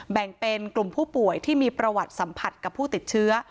แบ่งเป็นกลุ่มผู้ป่วยที่มีประวัติสัมผัสกับผู้ติดเชื้อ